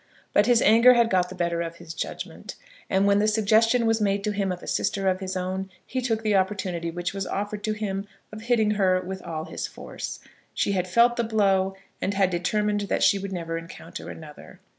But his anger had got the better of his judgment, and when the suggestion was made to him of a sister of his own, he took the opportunity which was offered to him of hitting her with all his force. She had felt the blow, and had determined that she would never encounter another.